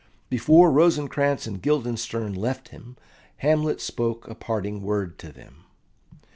Before Rosencrantz and Guildenstern left him, Hamlet spoke a parting word to them.